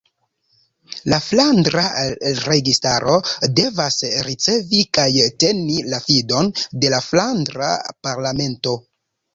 La Flandra Registaro devas ricevi kaj teni la fidon de la Flandra Parlamento.